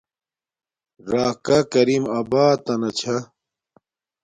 راکہ کریم آباتنا چھا